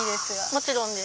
もちろんです。